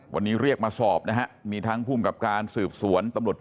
วันนี้เรียกมาสอบนะฮะมีทั้งผู้มกับการสืบสวน